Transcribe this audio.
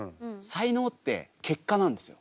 才能って結果なんですよ。